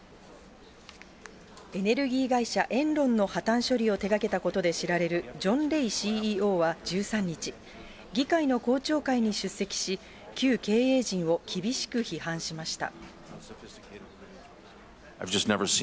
エネルギー会社、エンロンの破綻処理を手がけたことで知られる、ジョン・レイＣＥＯは１３日、議会の公聴会に出席し、旧経営陣を厳しく批判しました。